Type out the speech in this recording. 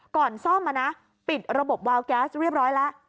ก่อนซ่อมปิดระบบวาวแก๊สเรียบร้อยแล้ว